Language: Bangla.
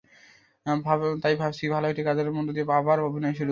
তাই ভাবছি, ভালো একটি কাজের মধ্য দিয়ে আবার অভিনয় শুরু করব।